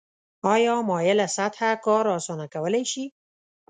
آیا مایله سطحه کار اسانه کولی شي؟